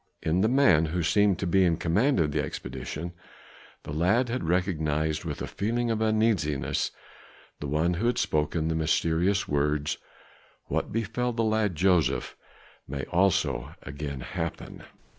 In the man who seemed to be in command of the expedition, the lad had recognized with a feeling of uneasiness the one who had spoken the mysterious words, "What befell the lad Joseph may also again happen."